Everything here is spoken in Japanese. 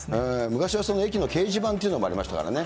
昔はその駅の掲示板というものがありましたからね。